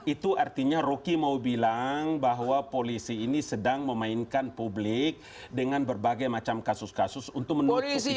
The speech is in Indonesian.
itu artinya rocky mau bilang bahwa polisi ini sedang memainkan publik dengan berbagai macam kasus kasus untuk menutup posisi